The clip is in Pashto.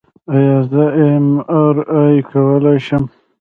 ایا زه ایم آر آی کولی شم؟